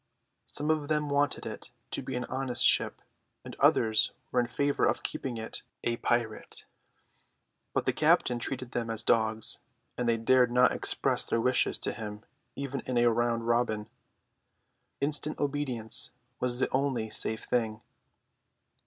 Some of them wanted it to be an honest ship and others were in favour of keeping it a pirate; but the captain treated them as dogs, and they dared not express their wishes to him even in a round robin. Instant obedience was the only safe thing.